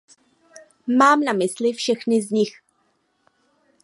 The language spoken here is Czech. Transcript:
Mám na mysli všechny z nich.